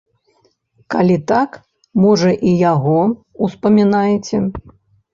Калі так, можа і яго ўспамінаеце.